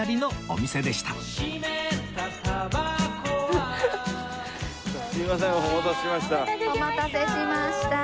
お待たせしました。